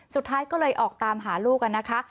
สุดท้ายก็เลยออกตามหาลูกกันนะคะ